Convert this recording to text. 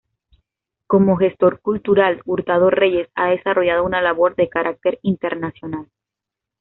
Como gestor cultural Hurtado Reyes ha desarrollado una labor de carácter internacional.